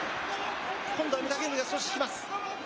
今度は御嶽海が少し引きます。